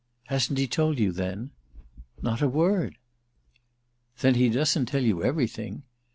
"Hasn't he told you then?" "Not a word." "Then he doesn't tell you everything!"